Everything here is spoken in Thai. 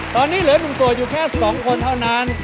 ตอนนี้เหลือ๑ตัวอยู่แค่๒คนเท่านั้น